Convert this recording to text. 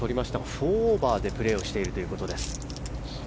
４オーバーでプレーしているということです。